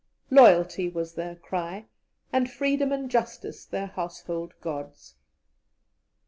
Loyalty was their cry, and freedom and justice their household gods.